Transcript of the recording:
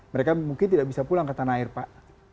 mereka mungkin tidak bisa pulang ke tanah air pak